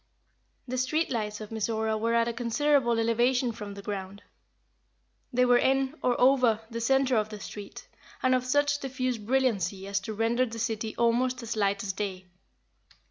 The street lights of Mizora were at a considerable elevation from the ground. They were in, or over, the center of the street, and of such diffuse brilliancy as to render the city almost as light as day.